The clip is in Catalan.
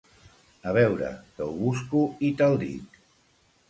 A veure que ho busco i te'l dic.